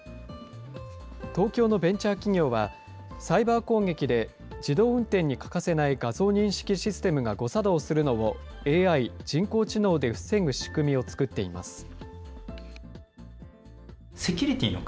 東京のベンチャー企業は、サイバー攻撃で自動運転に欠かせない画像認識システムが誤作動するのを、ＡＩ・人工知能で防ぐ仕組みを作っています。